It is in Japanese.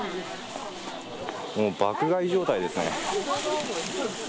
爆買い状態ですね。